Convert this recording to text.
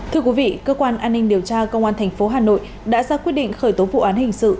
thưa quý vị cơ quan an ninh điều tra công an tp hà nội đã ra quyết định khởi tố vụ án hình sự